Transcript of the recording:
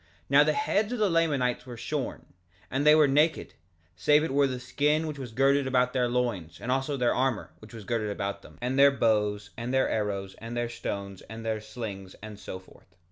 3:5 Now the heads of the Lamanites were shorn; and they were naked, save it were skin which was girded about their loins, and also their armor, which was girded about them, and their bows, and their arrows, and their stones, and their slings, and so forth.